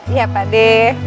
iya pak de